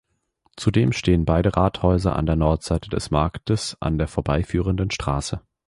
Zudem stehen beide Rathäuser an der Nordseite des Marktes an der vorbeiführenden Straße.